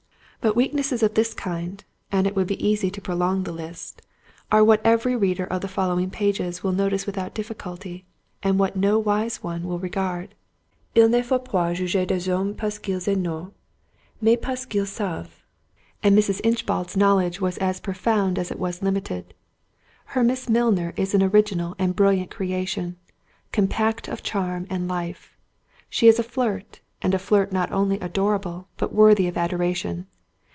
But weaknesses of this kind—and it would be easy to prolong the list—are what every reader of the following pages will notice without difficulty, and what no wise one will regard. "Il ne faut point juger des hommes par ce qu'ils ignorent, mais par ce qu'ils savent;" and Mrs. Inchbald's knowledge was as profound as it was limited. Her Miss Milner is an original and brilliant creation, compact of charm and life. She is a flirt, and a flirt not only adorable, but worthy of adoration.